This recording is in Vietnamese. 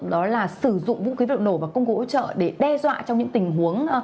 đó là sử dụng vũ khí vật liệu nổ và công cụ hỗ trợ để đe dọa trong những tình huống